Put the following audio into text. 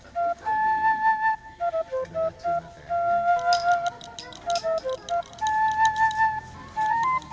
ya semayang dulu habis semayang makan